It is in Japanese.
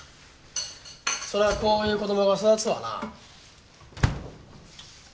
そらこういう子供が育つわな。